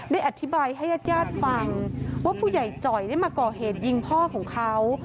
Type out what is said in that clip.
ได้อธิบายให้ญาติญาติฟังว่าผู้ใหญ่จ่อยได้มาก่อเหตุยิงพ่อของเขา